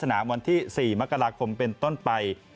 วันที่๔มกราคมเป็นต้นไป